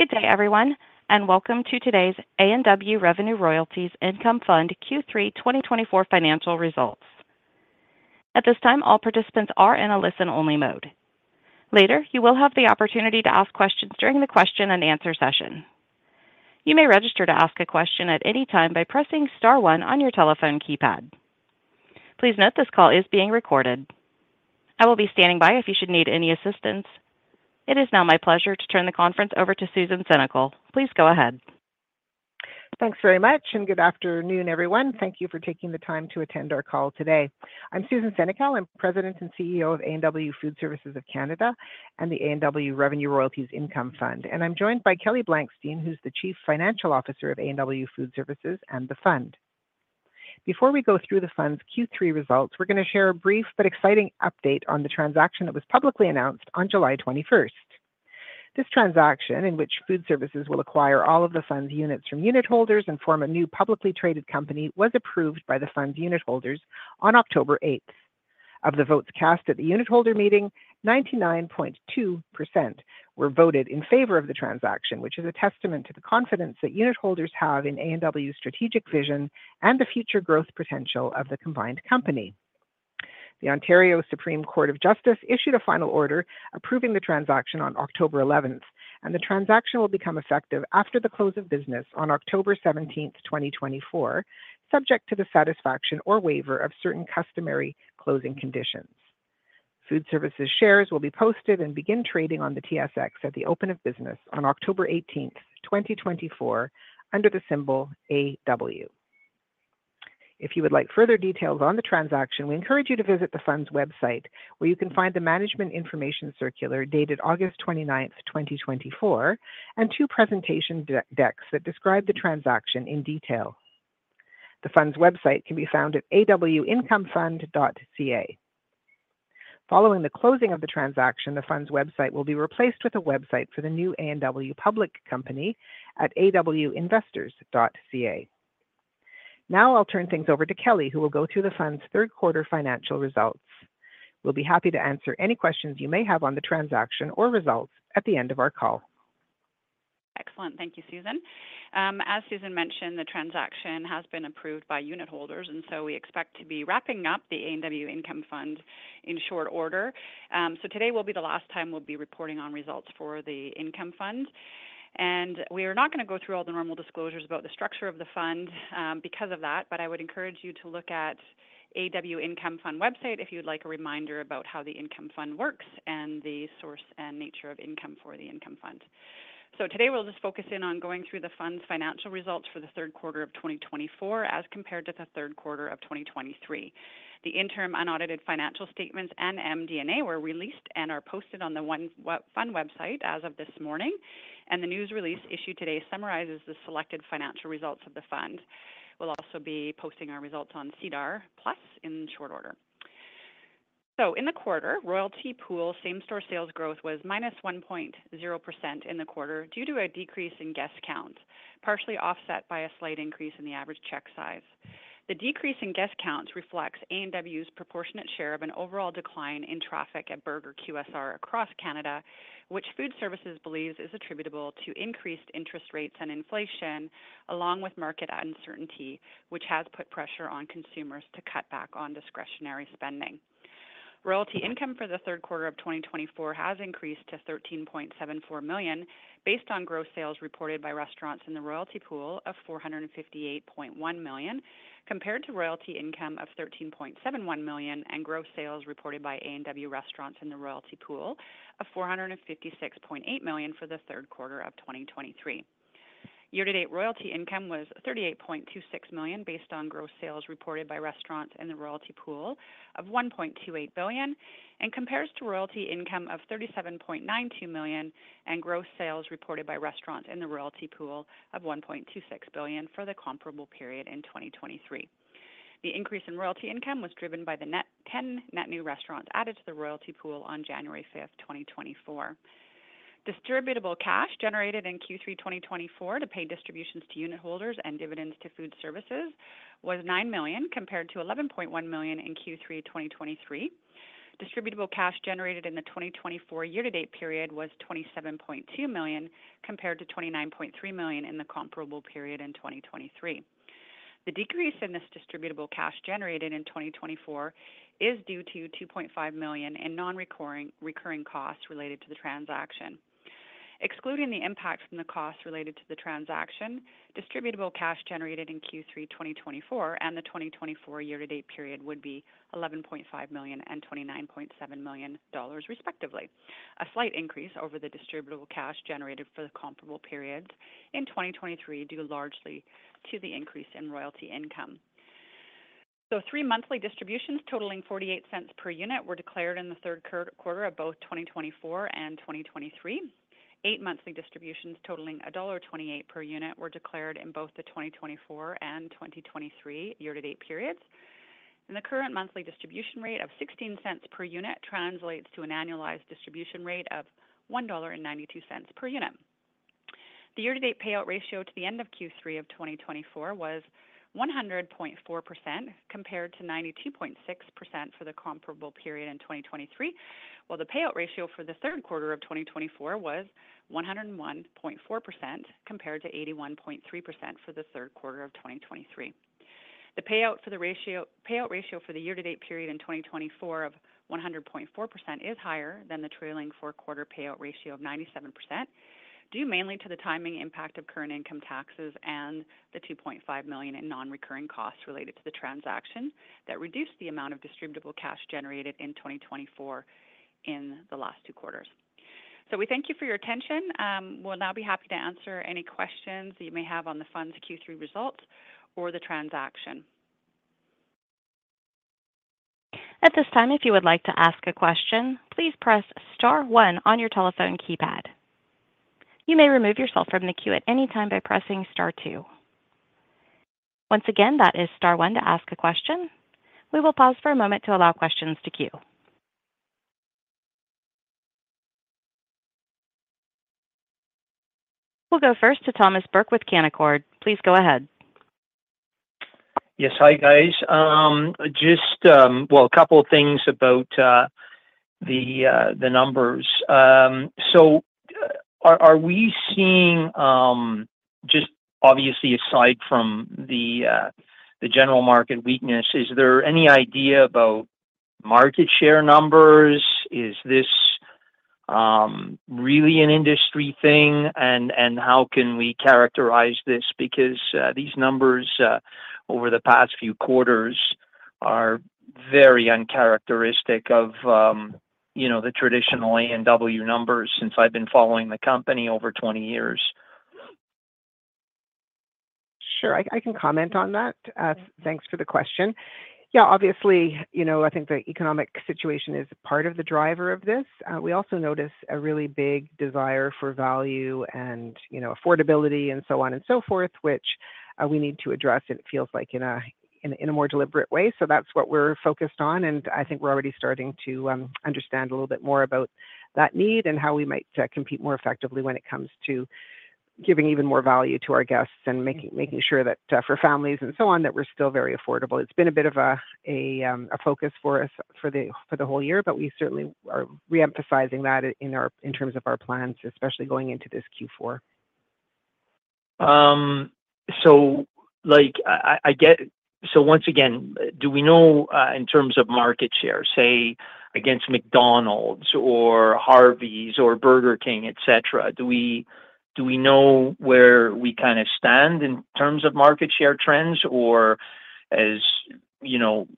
Good day, everyone, and welcome to today's A&W Revenue Royalties Income Fund Q3 2024 Financial Results. At this time, all participants are in a listen-only mode. Later, you will have the opportunity to ask questions during the question and answer session. You may register to ask a question at any time by pressing star one on your telephone keypad. Please note, this call is being recorded. I will be standing by if you should need any assistance. It is now my pleasure to turn the conference over to Susan Senecal. Please go ahead. Thanks very much, and good afternoon, everyone. Thank you for taking the time to attend our call today. I'm Susan Senecal, I'm President and CEO of A&W Food Services of Canada and the A&W Revenue Royalties Income Fund, and I'm joined by Kelly Blankstein, who's the Chief Financial Officer of A&W Food Services and the Fund. Before we go through the Fund's Q3 results, we're going to share a brief but exciting update on the transaction that was publicly announced on July twenty-first. This transaction, in which Food Services will acquire all of the Fund's units from unitholders and form a new publicly traded company, was approved by the Fund's unitholders on October eighth. Of the votes cast at the unitholder meeting, 99.2% were voted in favor of the transaction, which is a testament to the confidence that unitholders have in A&W's strategic vision and the future growth potential of the combined company. The Ontario Supreme Court of Justice issued a final order approving the transaction on October eleventh, and the transaction will become effective after the close of business on October seventeenth, 2024, subject to the satisfaction or waiver of certain customary closing conditions. Food Services shares will be posted and begin trading on the TSX at the open of business on October eighteenth, 2024, under the symbol AW. If you would like further details on the transaction, we encourage you to visit the Fund's website, where you can find the management information circular, dated August twenty-ninth, twenty twenty-four, and two presentation decks that describe the transaction in detail. The Fund's website can be found at awincomefund.ca. Following the closing of the transaction, the Fund's website will be replaced with a website for the new A&W public company at awinvestors.ca. Now I'll turn things over to Kelly, who will go through the Fund's third quarter financial results. We'll be happy to answer any questions you may have on the transaction or results at the end of our call. Excellent. Thank you, Susan. As Susan mentioned, the transaction has been approved by unitholders, and so we expect to be wrapping up the A&W Income Fund in short order. Today will be the last time we'll be reporting on results for the income fund. We are not going to go through all the normal disclosures about the structure of the fund, because of that, but I would encourage you to look at A&W Income Fund website if you'd like a reminder about how the income fund works and the source and nature of income for the income fund. Today, we'll just focus in on going through the Fund's financial results for the third quarter of twenty twenty-four, as compared to the third quarter of twenty twenty-three. The interim unaudited financial statements and MD&A were released and are posted on the A&W Fund website as of this morning, and the news release issued today summarizes the selected financial results of the Fund. We'll also be posting our results on SEDAR+ in short order. In the quarter, royalty pool same-store sales growth was -1.0% in the quarter due to a decrease in guest counts, partially offset by a slight increase in the average check size. The decrease in guest counts reflects A&W's proportionate share of an overall decline in traffic at burger QSR across Canada, which Food Services believes is attributable to increased interest rates and inflation, along with market uncertainty, which has put pressure on consumers to cut back on discretionary spending. Royalty income for the third quarter of 2024 has increased to CAD 13.74 million, based on gross sales reported by restaurants in the royalty pool of CAD 458.1 million, compared to royalty income of CAD 13.71 million and gross sales reported by A&W restaurants in the royalty pool of CAD 456.8 million for the third quarter of 2023. Year-to-date royalty income was CAD 38.26 million, based on gross sales reported by restaurants in the royalty pool of CAD 1.28 billion and compares to royalty income of CAD 37.92 million and gross sales reported by restaurants in the royalty pool of CAD 1.26 billion for the comparable period in 2023. The increase in royalty income was driven by ten net new restaurants added to the royalty pool on January fifth, 2024. Distributable cash generated in Q3 2024 to pay distributions to unitholders and dividends to Food Services was 9 million, compared to 11.1 million in Q3 2023. Distributable cash generated in the 2024 year-to-date period was 27.2 million, compared to 29.3 million in the comparable period in 2023. The decrease in this distributable cash generated in 2024 is due to 2.5 million in non-recurring costs related to the transaction. Excluding the impact from the costs related to the transaction, distributable cash generated in Q3 2024 and the 2024 year-to-date period would be 11.5 million and 29.7 million dollars, respectively, a slight increase over the distributable cash generated for the comparable periods in 2023, due largely to the increase in royalty income. So three monthly distributions, totaling 0.48 per unit, were declared in the third quarter of both 2024 and 2023. Eight monthly distributions, totaling dollar 1.28 per unit, were declared in both the 2024 and 2023 year-to-date periods. And the current monthly distribution rate of 0.16 per unit translates to an annualized distribution rate of 1.92 dollar per unit.... The year-to-date payout ratio to the end of Q3 of 2024 was 100.4%, compared to 92.6% for the comparable period in 2023, while the payout ratio for the third quarter of 2024 was 101.4%, compared to 81.3% for the third quarter of 2023. The payout ratio for the year-to-date period in 2024 of 100.4% is higher than the trailing four quarter payout ratio of 97%, due mainly to the timing impact of current income taxes and the 2.5 million in non-recurring costs related to the transaction, that reduced the amount of distributable cash generated in 2024 in the last two quarters. We thank you for your attention. We'll now be happy to answer any questions that you may have on the fund's Q3 results or the transaction. At this time, if you would like to ask a question, please press star one on your telephone keypad. You may remove yourself from the queue at any time by pressing star two. Once again, that is star one to ask a question. We will pause for a moment to allow questions to queue. We'll go first to Thomas Burke with Canaccord. Please go ahead. Yes. Hi, guys. Just... Well, a couple of things about the numbers. So are we seeing just obviously aside from the general market weakness, is there any idea about market share numbers? Is this really an industry thing? And how can we characterize this? Because these numbers over the past few quarters are very uncharacteristic of you know, the traditional A&W numbers since I've been following the company over twenty years. Sure, I can comment on that. Thanks for the question. Yeah, obviously, you know, I think the economic situation is part of the driver of this. We also notice a really big desire for value and, you know, affordability, and so on and so forth, which we need to address, and it feels like in a more deliberate way. So that's what we're focused on, and I think we're already starting to understand a little bit more about that need and how we might compete more effectively when it comes to giving even more value to our guests and making sure that for families and so on, that we're still very affordable. It's been a bit of a focus for us for the whole year, but we certainly are re-emphasizing that in terms of our plans, especially going into this Q4. So like, so once again, do we know in terms of market share, say, against McDonald's or Harvey's or Burger King, et cetera, where we kind of stand in terms of market share trends? Or, as you know,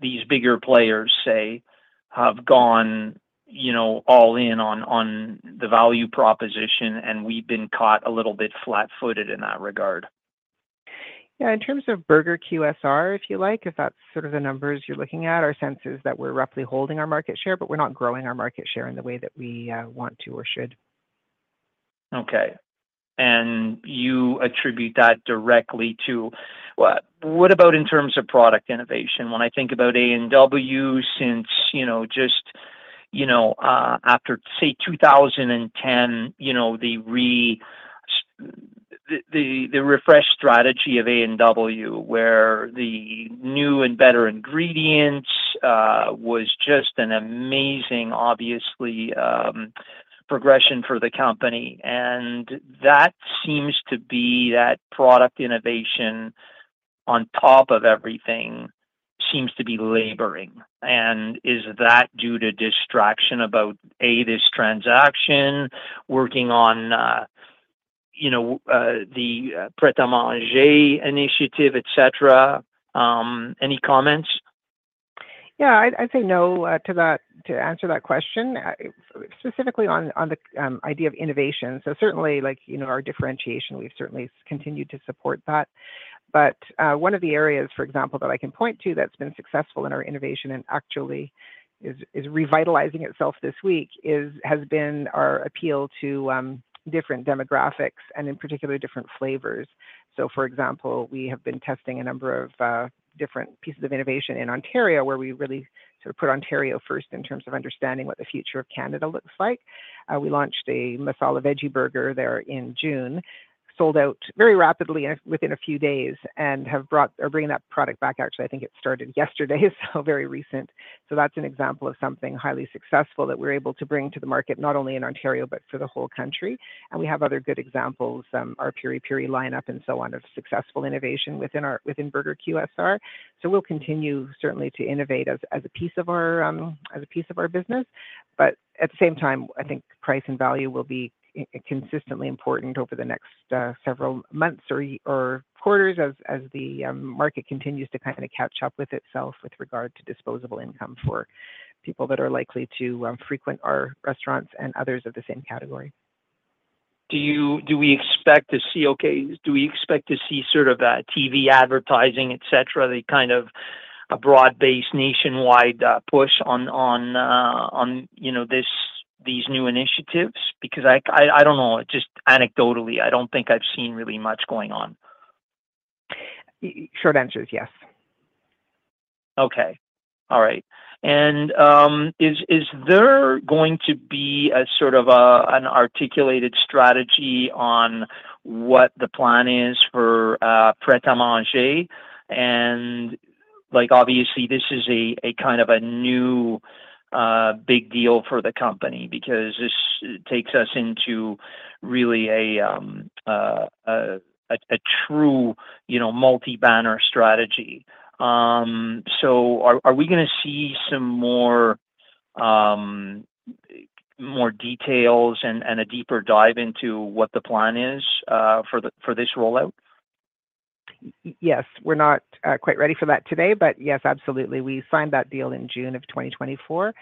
these bigger players, say, have gone, you know, all in on the value proposition, and we've been caught a little bit flat-footed in that regard? Yeah, in terms of burger QSR, if you like, if that's sort of the numbers you're looking at, our sense is that we're roughly holding our market share, but we're not growing our market share in the way that we want to or should. Okay. And you attribute that directly to what? What about in terms of product innovation? When I think about A&W, since, you know, just, you know, after, say, two thousand and ten, you know, the refresh strategy of A&W, where the new and better ingredients was just an amazing, obviously, progression for the company. And that seems to be that product innovation on top of everything seems to be laboring. And is that due to distraction about this transaction, working on the Pret A Manger initiative, et cetera? Any comments? Yeah, I'd say no to that, to answer that question specifically on the idea of innovation. So certainly, like, you know, our differentiation, we've certainly continued to support that. But one of the areas, for example, that I can point to that's been successful in our innovation and actually is revitalizing itself this week has been our appeal to different demographics and in particular, different flavors. So for example, we have been testing a number of different pieces of innovation in Ontario, where we really sort of put Ontario first in terms of understanding what the future of Canada looks like. We launched a Masala Veggie Burger there in June, sold out very rapidly, within a few days, and are bringing that product back. Actually, I think it started yesterday, so very recent. So that's an example of something highly successful that we're able to bring to the market, not only in Ontario, but for the whole country. And we have other good examples, our Piri-Piri lineup and so on, of successful innovation within our burger QSR. So we'll continue certainly to innovate as a piece of our business. But at the same time, I think price and value will be consistently important over the next several months or quarters as the market continues to kind of catch up with itself with regard to disposable income for people that are likely to frequent our restaurants and others of the same category. Do we expect to see... Okay, do we expect to see sort of TV advertising, et cetera, the kind of a broad-based nationwide push on you know these new initiatives? Because I don't know, just anecdotally, I don't think I've seen really much going on. The short answer is yes.... Okay. All right. And, is there going to be a sort of, an articulated strategy on what the plan is for, Pret A Manger? And, like, obviously, this is a kind of a new big deal for the company, because this takes us into really a true, you know, multi-banner strategy. So are we gonna see some more details and a deeper dive into what the plan is, for this rollout? Yes, we're not quite ready for that today, but yes, absolutely. We signed that deal in June of 2024,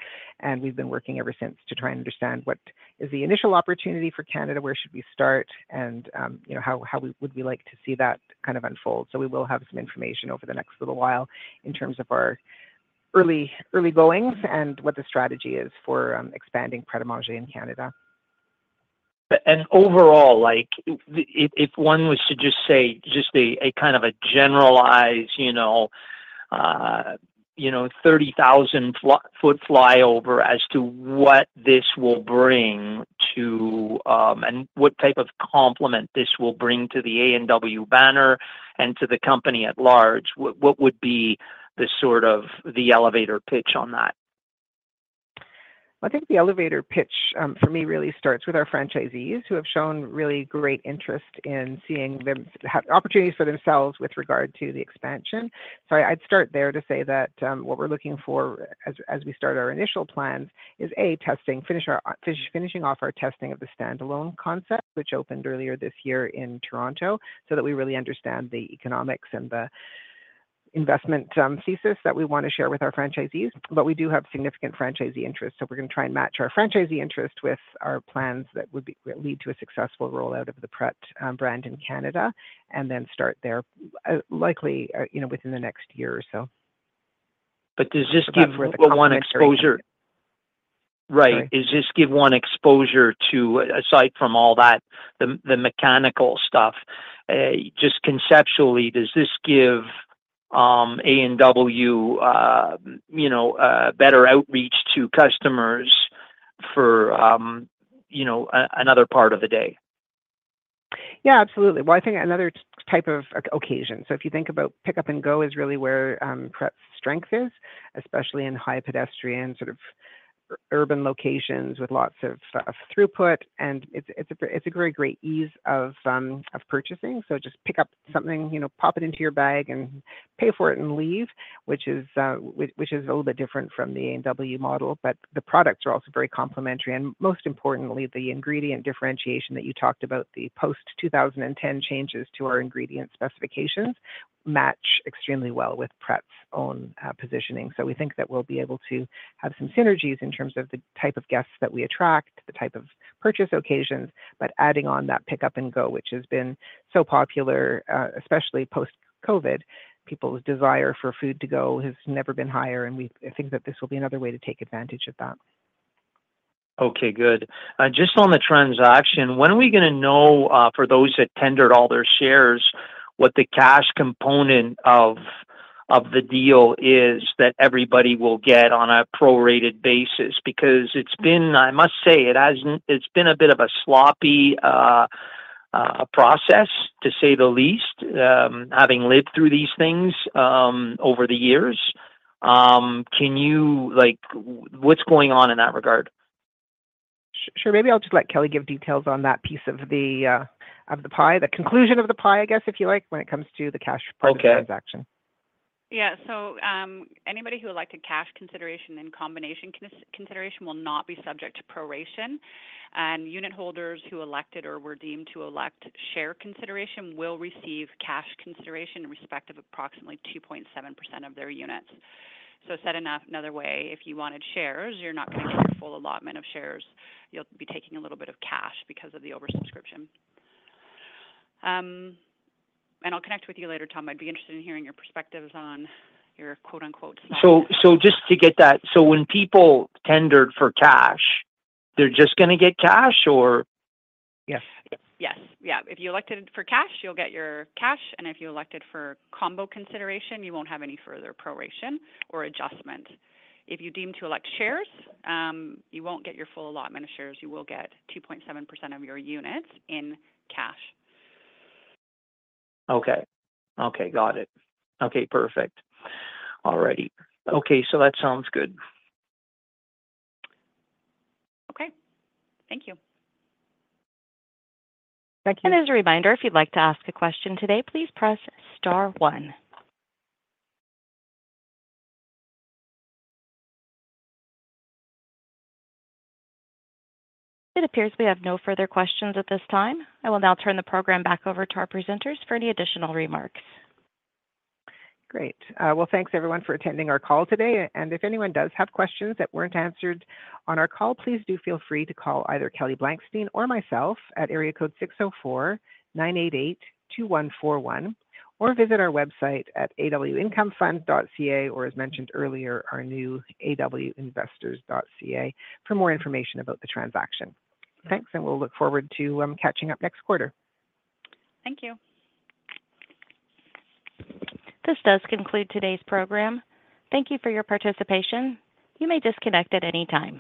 and we've been working ever since to try and understand what is the initial opportunity for Canada, where should we start, and you know, how we would like to see that kind of unfold, so we will have some information over the next little while in terms of our early goings and what the strategy is for expanding Pret A Manger in Canada. Overall, like, if one was to just say a kind of a generalized, you know, you know, thirty thousand foot flyover as to what this will bring to and what type of complement this will bring to the A&W banner and to the company at large, what would be the sort of the elevator pitch on that? I think the elevator pitch for me really starts with our franchisees, who have shown really great interest in seeing them have opportunities for themselves with regard to the expansion. So I'd start there to say that what we're looking for as we start our initial plans is A, testing, finishing off our testing of the standalone concept, which opened earlier this year in Toronto, so that we really understand the economics and the investment thesis that we want to share with our franchisees. But we do have significant franchisee interest, so we're gonna try and match our franchisee interest with our plans that would lead to a successful rollout of the Pret brand in Canada, and then start there, likely you know, within the next year or so. But does this give- That's where the- One exposure... Right. Sorry. Does this give one exposure to, aside from all that, the mechanical stuff, just conceptually, does this give A&W, you know, better outreach to customers for, you know, another part of the day? Yeah, absolutely. Well, I think another type of occasion. So if you think about pickup and go is really where Pret's strength is, especially in high pedestrian, sort of urban locations with lots of throughput, and it's a very great ease of purchasing. So just pick up something, you know, pop it into your bag and pay for it and leave, which is a little bit different from the A&W model. But the products are also very complementary, and most importantly, the ingredient differentiation that you talked about, the post-2010 changes to our ingredient specifications, match extremely well with Pret's own positioning. So we think that we'll be able to have some synergies in terms of the type of guests that we attract, the type of purchase occasions, but adding on that pickup and go, which has been so popular, especially post-COVID. People's desire for food to go has never been higher, and we think that this will be another way to take advantage of that. Okay, good. Just on the transaction, when are we gonna know, for those that tendered all their shares, what the cash component of the deal is that everybody will get on a prorated basis? Because it's been, I must say, it hasn't- it's been a bit of a sloppy process, to say the least, having lived through these things, over the years. Can you, like... What's going on in that regard? Sure. Maybe I'll just let Kelly give details on that piece of the pie, the conclusion of the pie, I guess, if you like, when it comes to the cash part. Okay... of the transaction. Yeah. So, anybody who would like a cash consideration and combination consideration will not be subject to proration. Unitholders who elected or were deemed to elect share consideration will receive cash consideration in respect of approximately 2.7% of their units. So said in another way, if you wanted shares, you're not gonna get a full allotment of shares. You'll be taking a little bit of cash because of the oversubscription. And I'll connect with you later, Tom. I'd be interested in hearing your perspectives on your quote, unquote "stock"- Just to get that, when people tendered for cash, they're just gonna get cash or...? Yes. Yes. Yeah, if you elected for cash, you'll get your cash, and if you elected for combo consideration, you won't have any further proration or adjustment. If you deem to elect shares, you won't get your full allotment of shares, you will get 2.7% of your units in cash. Okay. Okay, got it. Okay, perfect. All righty. Okay, so that sounds good. Okay. Thank you. Thank you. As a reminder, if you'd like to ask a question today, please press star one. It appears we have no further questions at this time. I will now turn the program back over to our presenters for any additional remarks. Great, well, thanks everyone for attending our call today, and if anyone does have questions that weren't answered on our call, please do feel free to call either Kelly Blankstein or myself at area code six oh four nine eight eight two one four one, or visit our website at awincomefund.ca, or as mentioned earlier, our new awinvestors.ca for more information about the transaction. Thanks, and we'll look forward to catching up next quarter. Thank you. This does conclude today's program. Thank you for your participation. You may disconnect at any time.